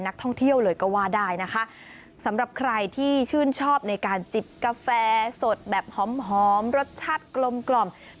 กาแฟสดแบบหอมรสชาติกลม